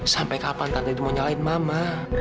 sampai kapan tante itu mau nyalain mama